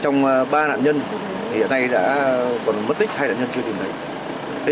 ba nạn nhân hiện nay đã còn mất tích hai nạn nhân chưa tìm thấy